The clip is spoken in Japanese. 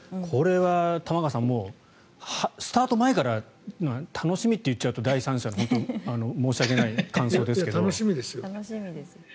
これは玉川さんスタート前から楽しみと言っちゃうと第三者の申し訳ない感想ですけど。